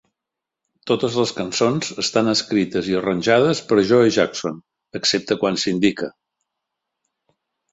Totes les cançons estan escrites i arranjades per Joe Jackson, excepte quan s'indica.